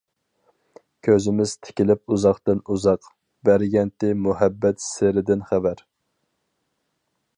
كۆزىمىز تىكىلىپ ئۇزاقتىن ئۇزاق، بەرگەنتى مۇھەببەت سىرىدىن خەۋەر.